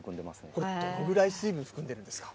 これ、どのぐらい水分含んでいるんですか。